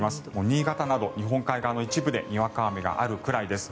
新潟など日本海側の一部でにわか雨があるくらいです。